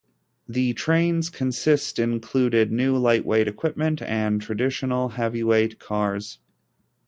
The train's consist included new lightweight equipment and traditional heavyweight cars.